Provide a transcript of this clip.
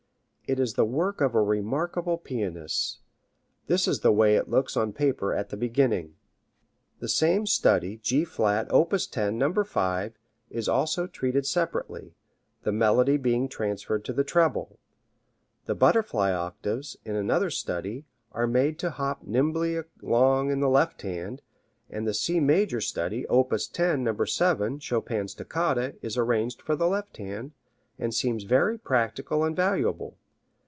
It is the work of a remarkable pianist. This is the way it looks on paper at the beginning: [Musical llustration] The same study G flat, op. 10, No. 5, is also treated separately, the melody being transferred to the treble. The Butterfly octaves, in another study, are made to hop nimbly along in the left hand, and the C major study, op. 10, No. 7, Chopin's Toccata, is arranged for the left hand, and seems very practical and valuable.